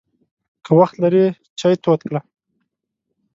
که وخت لرې، چای تود کړه!